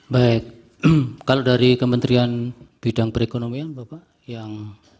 baik kalau dari kementerian bidang perekonomian bapak yang